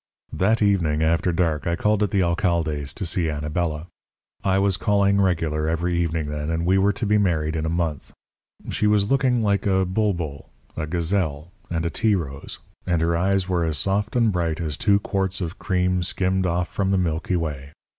"That evening after dark I called at the alcalde's to see Anabela. I was calling regular every evening then, and we were to be married in a month. She was looking like a bulbul, a gazelle, and a tea rose, and her eyes were as soft and bright as two quarts of cream skimmed off from the Milky Way.